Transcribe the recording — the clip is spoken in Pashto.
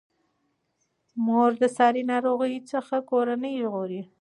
مور د ساري ناروغیو څخه کورنۍ ژغوري.